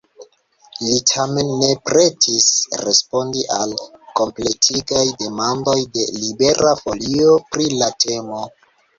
Li tamen ne pretis respondi al kompletigaj demandoj de Libera Folio pri la temo.